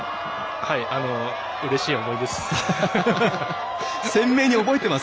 うれしい思いです。